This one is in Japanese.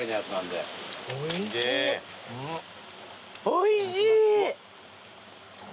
おいしい！